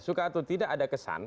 suka atau tidak ada kesan